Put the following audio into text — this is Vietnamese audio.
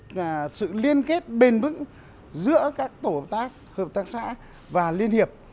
gắn kết bền vững giữa các tổ hợp tác hợp tác xã và liên hiệp